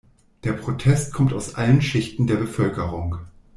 Der Protest kommt aus allen Schichten der Bevölkerung.